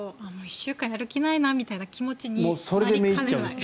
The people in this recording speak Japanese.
週間やる気ないなみたいな気持ちになりかねない。